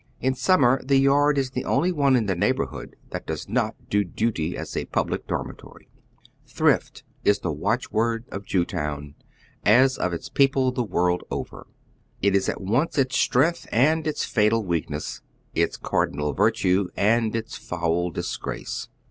In summer the yard is the only one in the neighborhood that does not do duty as a public dormitory. Thrift is the watcliword of Jewtown, as of its people the world over. It is at once its strength and its fatal weak ness, its cardinal virtue and its foul disgrace.